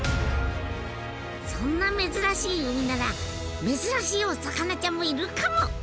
そんな珍しい海なら珍しいお魚ちゃんもいるかも！